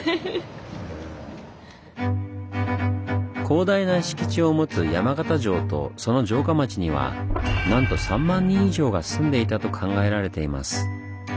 広大な敷地を持つ山形城とその城下町にはなんと３万人以上が住んでいたと考えられています。